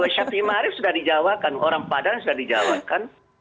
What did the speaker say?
syafi'i ma'rif sudah dijawakan orang padang sudah dijawakan